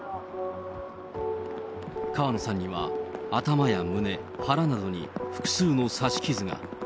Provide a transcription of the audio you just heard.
川野さんには頭や胸、腹などに複数の刺し傷が。